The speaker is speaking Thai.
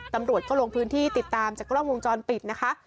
ตำรวจก็ลงพื้นที่ติดตามจากกล้องวงจรปิดนะคะ